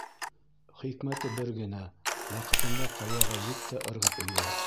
Хикмәте бер генә: ваҡытында ҡаяға ет тә ырғып өлгөр!